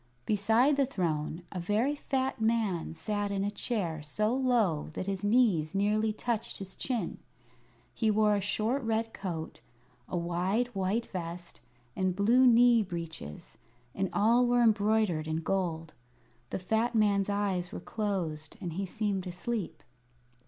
Beside the throne a very fat man sat in a chair so low that his knees nearly touched his chin. He wore a short red coat, a wide white vest, and blue knee breeches, and all were embroidered in gold. The fat man's eyes were closed and he seemed asleep.